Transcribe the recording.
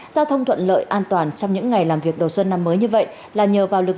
giao thông thuận lợi an toàn trong những ngày làm việc đầu xuân năm mới như vậy là nhờ vào lực